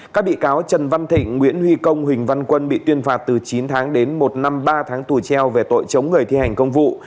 các bị cáo trần văn thịnh nguyễn huy công huỳnh văn quân bị tuyên phạt từ chín tháng đến một năm ba tháng tù treo về tội chống người thi hành công vụ